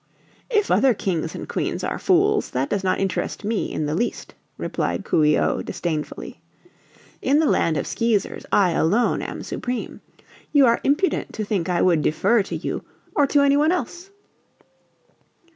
"If other Kings and Queens are fools that does not interest me in the least," replied Coo ee oh, disdainfully. "In the Land of the Skeezers I alone am supreme. You are impudent to think I would defer to you or to anyone else."